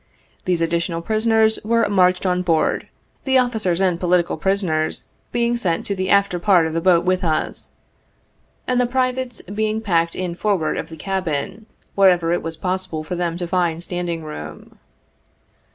These additional prisoners were marched on board, the officers and "po litical prisoners" being sent to the after part of the boat with us, and the privates being packed in forward of the cabin, wherever it was possible for them to find standing room.